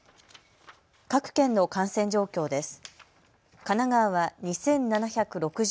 各県の感染状況です。